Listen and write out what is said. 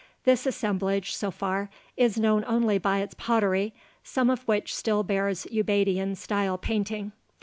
This "assemblage," so far, is known only by its pottery, some of which still bears Ubaidian style painting.